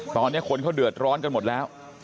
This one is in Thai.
ตอนนี้คนเขาเดือดร้อนกันหมดแล้ว